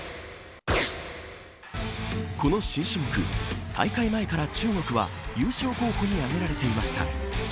この新種目大会前から中国は優勝候補に挙げられていました。